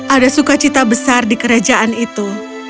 ada suka cita besar di kerajaan itu